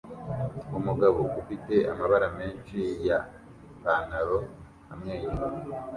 Umugabo ufite amabara menshi ya Ipanaro amwenyura